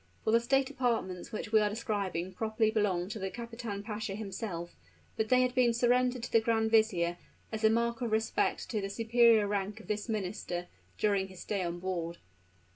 For the state apartments which we are describing properly belonged to the kapitan pasha himself; but they had been surrendered to the grand vizier, as a mark of respect to the superior rank of this minister, during his stay on board.